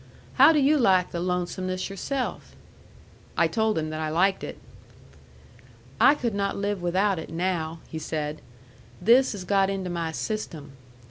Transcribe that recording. How do yu' like the lonesomeness yourself?" I told him that I liked it. "I could not live without it now," he said. "This has got into my system."